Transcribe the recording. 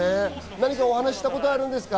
何かお話をしたことはあるんですか？